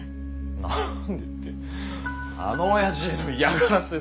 何でってあのオヤジへの嫌がらせだよ。